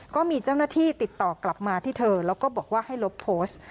ก็มีเจ้าหน้าที่ติดต่อกลับมาที่เธอแล้วก็บอกว่าให้ลบโพสต์